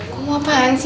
kamu apaan sih